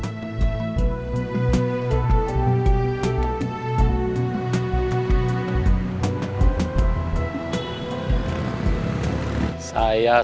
gw tersayang terima kasih pak